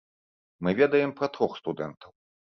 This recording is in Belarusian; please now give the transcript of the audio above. Мы ведаем пра трох студэнтаў.